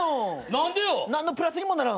何のプラスにもならん。